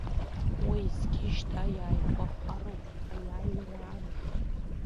Уеизгьы, шьҭа иааигәахароуп Аиааира амш!